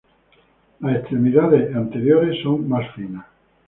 Las extremidades anteriores son más finas.